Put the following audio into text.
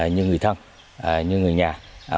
như người thân như người nhà